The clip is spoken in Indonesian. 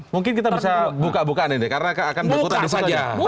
mungkin kita bisa buka bukaan ini karena akan buka bukaan